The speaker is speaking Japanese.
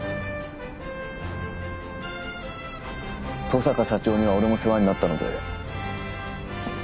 登坂社長には俺も世話になったので。